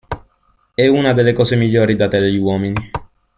È una delle cose migliori date agli uomini.